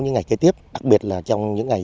những ngày kế tiếp đặc biệt là trong những ngày